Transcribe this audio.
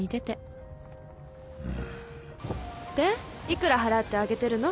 いくら払ってあげてるの？